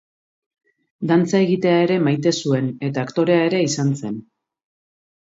Dantza egitea ere maite zuen eta aktorea ere izan zen.